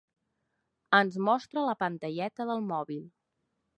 Ens mostra la pantalleta del mòbil.